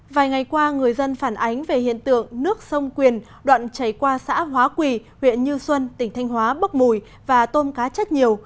vài ngày qua người dân phản ánh về hiện tượng nước sông quyền đoạn chảy qua xã hóa quỳ huyện như xuân tỉnh thanh hóa bốc mùi và tôm cá chết nhiều